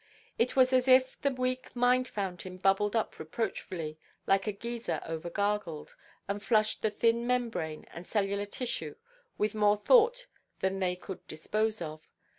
It was as if the weak mind–fountain bubbled up reproachfully, like a geyser over–gargled, and flushed the thin membrane and cellular tissue with more thought than they could dispose of.